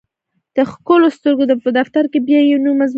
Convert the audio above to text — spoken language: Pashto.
د ښکلو سترګو په دفتر کې یې بیا یو نوی مضمون لوستل کېده